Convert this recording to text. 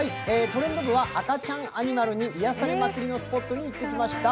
「トレンド部」は赤ちゃんアニマルに癒やされまくりのスポットに行ってきました。